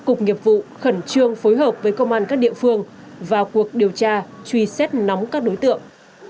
cục nghiệp vụ khẩn trương phối hợp với công an các địa phương vào cuộc điều tra truy xét nóng các đối tượng